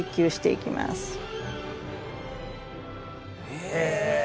へえ。